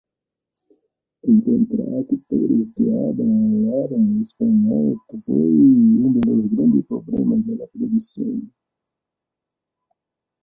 Encontrar actores que hablaran español fue uno de los grandes problemas de producción.